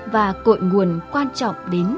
và cội nguồn quan trọng đến